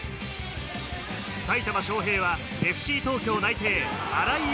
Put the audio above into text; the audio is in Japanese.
埼玉・昌平はＦＣ東京内定、荒井悠